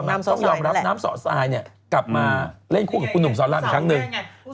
ต้องยอมรับน้ำสอดทรายเนี่ยกลับมาเล่นคู่กับคุณหนุ่มสอนรามอีกครั้งหนึ่ง